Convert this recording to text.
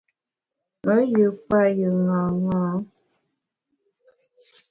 Me yù payù ṅaṅâ.